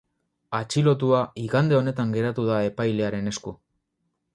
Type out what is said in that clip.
Atxilotua igande honetan geratu da epailearen esku.